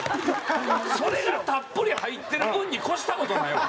それがたっぷり入ってる分に越した事ないわ。